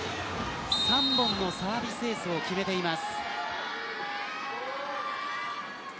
３本のサービスエースを決めています。